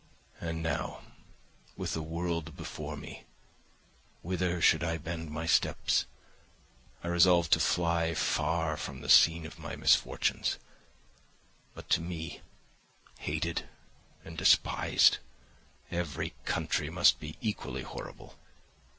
"And now, with the world before me, whither should I bend my steps? I resolved to fly far from the scene of my misfortunes; but to me, hated and despised, every country must be equally horrible.